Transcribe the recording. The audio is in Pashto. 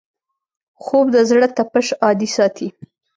خوب د زړه تپش عادي ساتي